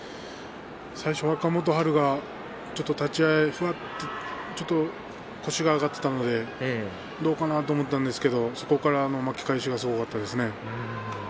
最初、若元春が立ち合いふわっとちょっと腰が上がっていたのでどうかなと思ったんですがそこからの巻き返しがすごかったですね。